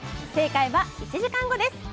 正解は１時間後です。